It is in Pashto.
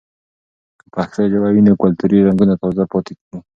که پښتو ژبه وي، نو کلتوري رنګونه تازه پاتې وي.